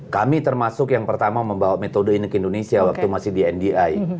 kami termasuk yang pertama membawa metode ini ke indonesia waktu masih di ndi